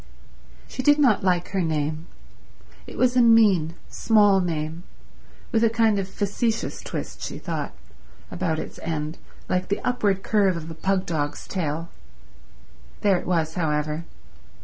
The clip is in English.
She did not like her name. It was a mean, small name, with a kind of facetious twist, she thought, about its end like the upward curve of a pugdog's tail. There it was, however.